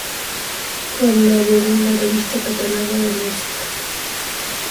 Colaboró en la "Revista Catalana de Música".